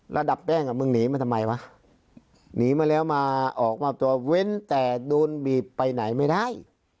ระดับแป้งอ่ะมึงหนีมาทำไมวะหนีมาแล้วมาออกมอบตัวเว้นแต่โดนบีบไปไหนไม่ได้